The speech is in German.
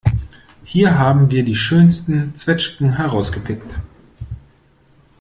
Hier haben wir die schönsten Zwetschgen herausgepickt.